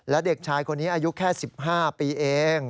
และเด็กชายคนนี้อายุแค่๑๕ปีเอง